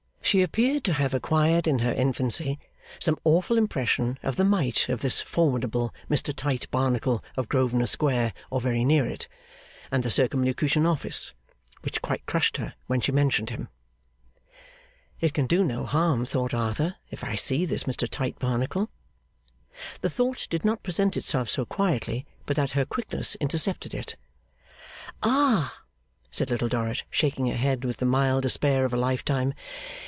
She appeared to have acquired, in her infancy, some awful impression of the might of this formidable Mr Tite Barnacle of Grosvenor Square, or very near it, and the Circumlocution Office, which quite crushed her when she mentioned him. 'It can do no harm,' thought Arthur, 'if I see this Mr Tite Barnacle.' The thought did not present itself so quietly but that her quickness intercepted it. 'Ah!' said Little Dorrit, shaking her head with the mild despair of a lifetime.